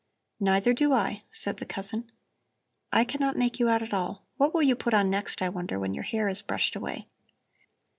"Neither do I," said the cousin. "I cannot make you out at all. What will you put on next, I wonder, when your hair is brushed away?"